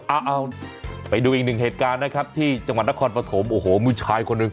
เอาไปดูอีกหนึ่งเหตุการณ์นะครับที่จังหวัดนครปฐมโอ้โหมีชายคนหนึ่ง